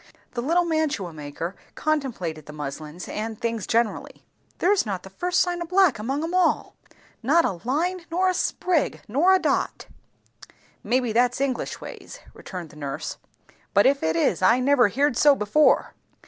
The little mantua maker contemplated the muslins, and things generally. "There's not the first sign o' black among 'em all! Not a line, nor a sprig, nor a dot." "Maybe that's English ways," returned the nurse; "but if it is, I never heerd so before."